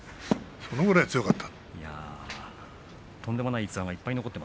それぐらい強かった。